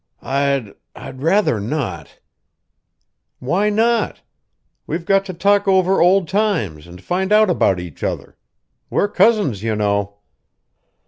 "I'd I'd rather not." "Why not? We've got to talk over old times and find out about each other. We're cousins, you know."